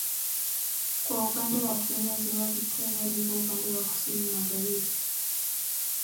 Kwa upande wa Kenya ziwa Victoria lipo upande wa kusini Magharibi